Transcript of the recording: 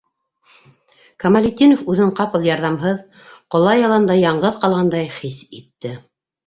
Камалетдинов үҙен ҡапыл ярҙамһыҙ, ҡола яланда яңғыҙ ҡалғандай хис итте.